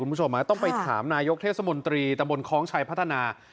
คุณผู้ชมต้องไปถามนายกเทศมนตรีตำบลคล้องชัยพัฒนา